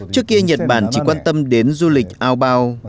trước kia nhật bản chỉ quan tâm đến du lịch ao bao